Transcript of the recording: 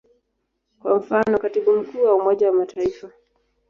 Kwa mfano, Katibu Mkuu wa Umoja wa Mataifa.